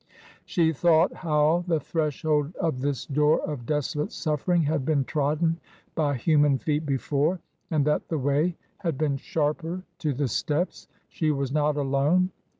She thought how the threshold of this door of desolate suffering had been trodden by human feet before, and that the way had been sharper to the steps. She was not alone.